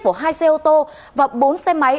của hai xe ô tô và bốn xe máy